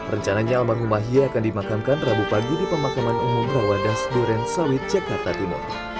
rencananya almarhumah ye akan dimakamkan rabu pagi di pemakaman umum rawadas duren sawit jakarta timur